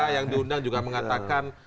yang diundang juga mengatakan